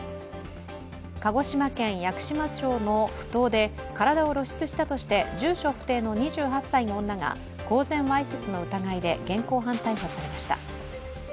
鹿児島県屋久島町のふ頭で体を露出したとして住所不定の２８歳の女が公然わいせつの疑いで現行犯逮捕されました。